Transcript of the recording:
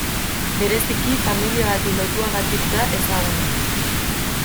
Bereziki familia bati lotuagatik da ezaguna.